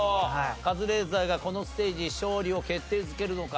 カズレーザーがこのステージ勝利を決定づけるのか？